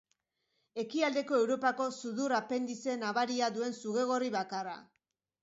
Ekialdeko Europako sudur-apendize nabaria duen sugegorri bakarra.